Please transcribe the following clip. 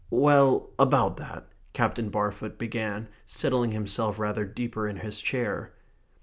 "Well, about that," Captain Barfoot began, settling himself rather deeper in his chair.